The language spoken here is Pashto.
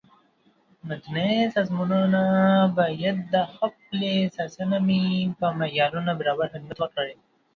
مدني سازمانونه باید د خپلې اساسنامې په معیارونو برابر خدمت وکړي.